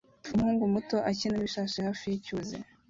Umuhungu muto akina n'ibishashi hafi yicyuzi